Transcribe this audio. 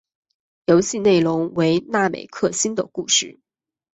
游戏内容为那美克星的故事。